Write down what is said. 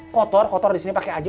kotor kotor di sini pakai aja